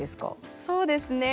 そうですね。